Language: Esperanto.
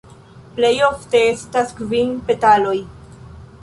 Plej ofte estas kvin petaloj.